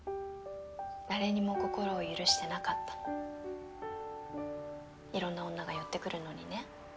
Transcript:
誰にも心を許してなかったの色んな女が寄ってくるのにね